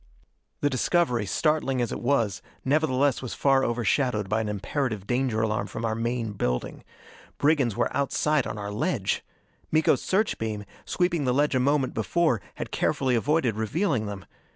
The discovery, startling as it was, nevertheless was far overshadowed by an imperative danger alarm from our main building. Brigands were outside on our ledge! Miko's search beam, sweeping the ledge a moment before, had carefully avoided revealing them.